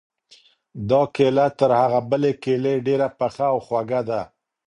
دا کیله تر هغې بلې کیلې ډېره پخه او خوږه ده.